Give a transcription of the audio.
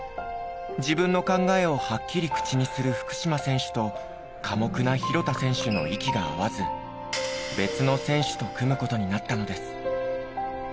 自分の考えをはっきり口にする福島選手と寡黙な廣田選手の息が合わず別の選手と組む事になったのです。